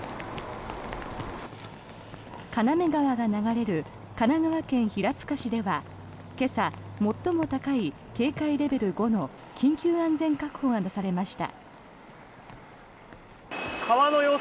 金目川が流れる神奈川県平塚市では今朝、最も高い警戒レベル５の緊急安全確保が出されました。